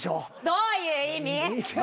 どういう意味？